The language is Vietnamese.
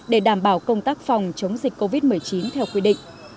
để đảm bảo công tác phòng chống dịch covid một mươi chín theo quy định